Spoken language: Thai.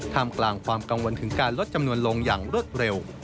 ทำกลางความกังวลถึงการลดจำนวนลงอย่างรวดเร็ว